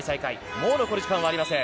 もう残り時間はありません。